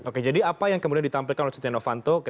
oke jadi apa yang kemudian ditampilkan oleh setiawapanto